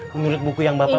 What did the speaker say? menurut buku yang bapak